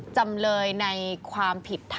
จำเลยในความผิด